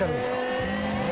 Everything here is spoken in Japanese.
へえ。